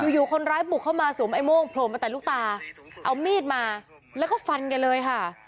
อยู่คนร้ายบุกเข้ามาสวมไอ้โม่งโผล่มาแต่ลูกตาเอามีดมาแล้วก็ฟันแกเลยค่ะ